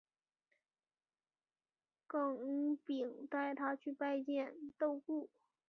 耿秉带他去拜见窦固。